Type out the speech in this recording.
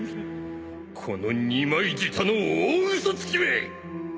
この二枚舌の大嘘つきめ！